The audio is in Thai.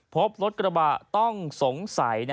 พบรถกระบะต้องสงสัย